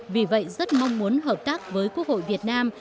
vì vậy rất mong muốn hợp tác với quốc hội việt nam